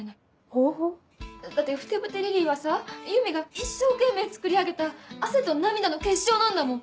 方法？だって「ふてぶてリリイ」はさゆみが一生懸命作り上げた汗と涙の結晶なんだもん！